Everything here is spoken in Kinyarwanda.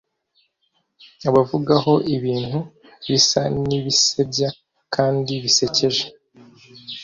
abavugaho ibintu bisa n'ibisebya kandi bisekeje